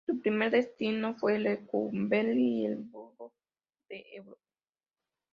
Su primer destino fue Lecumberri y en El Burgo de Ebro.